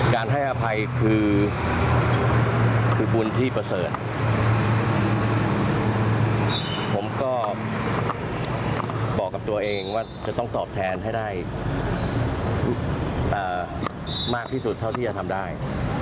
การให้อภัยคือบุญที่ประเสริฐผมก็บอกกับตัวเองว่าจะต้องตอบแทนให้ได้มากที่สุดเท่าที่จะทำได้